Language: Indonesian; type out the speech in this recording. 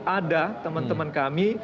ada teman teman kami